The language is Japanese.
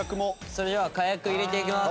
それではかやく入れていきます。